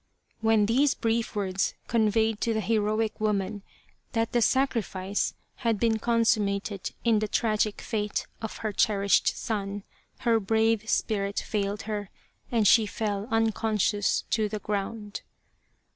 " When these brief words conveyed to the heroic woman that the sacrifice had been consummated in the tragic fate of her cherished son, her brave spirit failed her, and she fell unconscious to the ground.